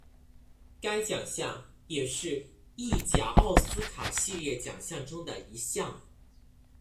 该奖项也是意甲奥斯卡系列奖项中的一项。